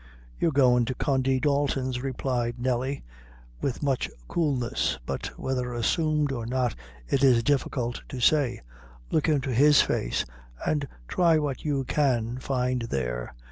"You're goin' to Condy Dalton's," replied Nelly, with much coolness, but whether assumed or not it is difficult to say; "look into his face, and try what you can find there.